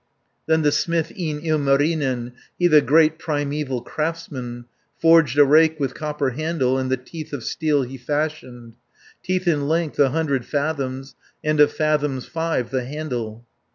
Then the smith, e'en Ilmarinen, He the great primeval craftsman, Forged a rake with copper handle, And the teeth of steel he fashioned, Teeth in length a hundred fathoms, And of fathoms five the handle.